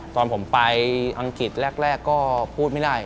ตอนผมไปอังกฤษแรกก็พูดไม่ได้